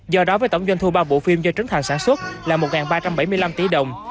do đó với tổng doanh thu ba bộ phim do trấn thành sản xuất là một ba trăm bảy mươi năm tỷ đồng